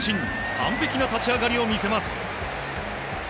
完璧な立ち上がりを見せます。